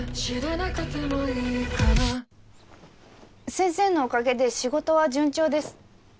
先生のおかげで仕事は順調です。